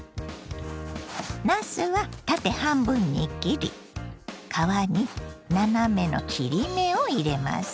なすは縦半分に切り皮に斜めの切り目を入れます。